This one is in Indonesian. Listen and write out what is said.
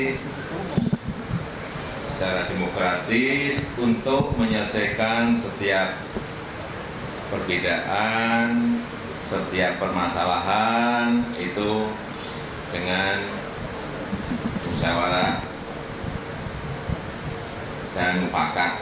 secara demokratis untuk menyelesaikan setiap perbedaan setiap permasalahan itu dengan musyawarah dan mufakat